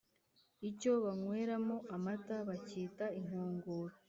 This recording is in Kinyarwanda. Icyo banyweramo Amata bacyita inkongoro